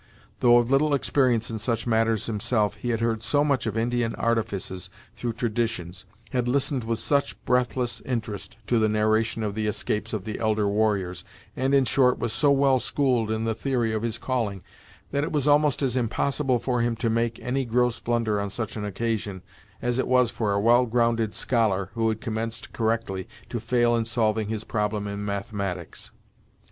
Though of little experience in such matters, himself, he had heard so much of Indian artifices through traditions, had listened with such breathless interest to the narration of the escapes of the elder warriors, and, in short, was so well schooled in the theory of his calling, that it was almost as impossible for him to make any gross blunder on such an occasion, as it was for a well grounded scholar, who had commenced correctly, to fail in solving his problem in mathematics.